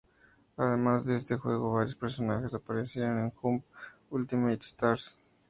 Además de este juego varios personajes aparecieron en "Jump Ultimate Stars".